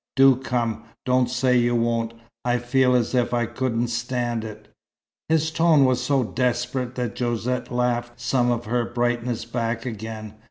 Do come. Don't say you won't! I feel as if I couldn't stand it." His tone was so desperate that Josette laughed some of her brightness back again.